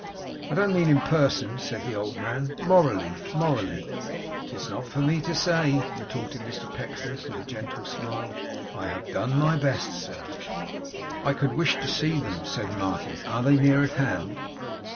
'I don't mean in person,' said the old man. 'Morally, morally.' ''Tis not for me to say,' retorted Mr Pecksniff with a gentle smile. 'I have done my best, sir.' 'I could wish to see them,' said Martin; 'are they near at hand?